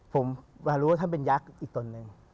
ผมมารู้ว่าท่านเป็นยักษ์อีกตนหนึ่ง